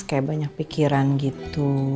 kayak banyak pikiran gitu